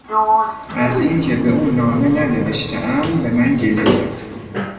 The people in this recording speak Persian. از اینکه به او نامه ننوشتهام به من گله کرد.